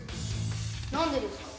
何でですか？